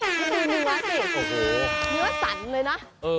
นี่คือเนื้อเนื้อสั่นเลยนะ